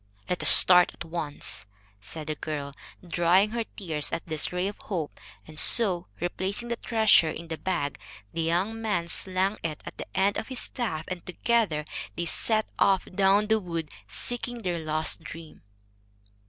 "Let us start at once," said the girl, drying her tears at this ray of hope; and so, replacing the treasure in the bag, the young man slung it at the end of his staff, and together they set off down the wood, seeking their lost dream.